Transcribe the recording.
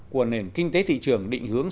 của nền kinh tế thị trường định hướng